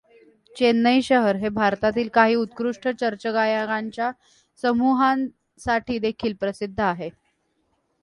चेन्नई शहर हे भारतातील काही उत्कृष्ठ चर्चगायकांच्या समूहांसाठीदेखिल प्रसिद्ध आहे.